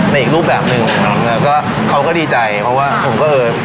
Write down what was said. อีกรูปแบบหนึ่งแล้วก็เขาก็ดีใจเพราะว่าผมก็เออ